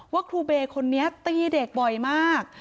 ว่าครูเบย์คนนี้ตีเด็กบ่อยมาก